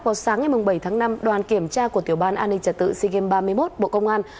hôm bảy tháng năm đoàn kiểm tra của tiểu ban an ninh trả tự sea games ba mươi một bộ công an